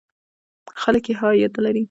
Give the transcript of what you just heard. خلک یې ښه عاید لري.